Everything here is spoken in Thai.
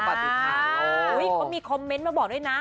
ก็มีคอมเมนต์มาบอกด้วยนะ